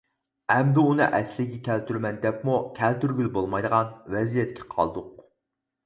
ئەمدى ئۇنى ئەسلىگە كەلتۈرىمەن دەپمۇ كەلتۈرگىلى بولمايدىغان ۋەزىيەتكە قالدۇق.